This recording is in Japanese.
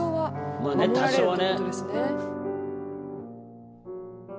まあ多少はね。